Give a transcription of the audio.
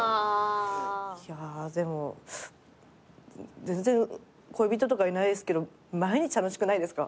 いやでも全然恋人とかいないっすけど毎日楽しくないですか？